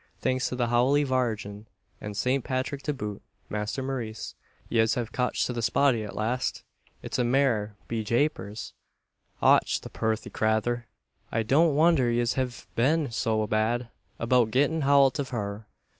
"Thanks to the Howly Vargin, an Saint Pathrick to boot, Masther Maurice, yez have cotched the spotty at last! It's a mare, be japers! Och! the purthy crayther! I don't wondher yez hiv been so bad about gettin' howlt av her.